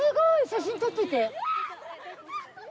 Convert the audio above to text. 写真撮っておいて。